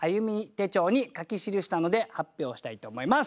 手帳に書き記したので発表したいと思います。